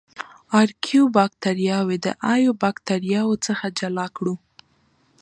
ارکیو باکتریاوې د ایو باکتریاوو څخه جلا کړو.